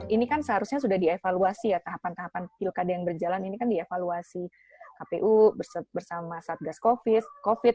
ini kan seharusnya sudah dievaluasi ya tahapan tahapan pilkada yang berjalan ini kan dievaluasi kpu bersama satgas covid